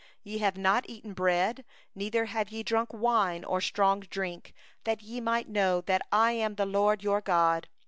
5Ye have not eaten bread, neither have ye drunk wine or strong drink; that ye might know that I am the LORD your God.